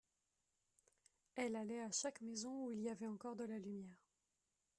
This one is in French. Elle allait à chaque maison où il y avait encore de la lumière.